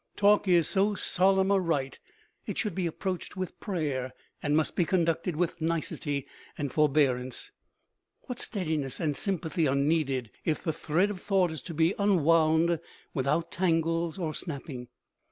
Talk is so solemn a rite it should be approached with prayer and must be conducted with nicety and forbearance. What steadiness and sympathy are needed if the thread of thought is to be unwound without tangles or snapping!